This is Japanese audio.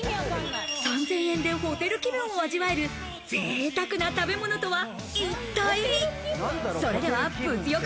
３０００円でホテル気分を味わえる、贅沢な食べ物とは一体？